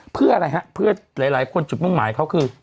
เพื่ออะไรครับเพื่อไล่คนจุดป้องหมายเขาคือ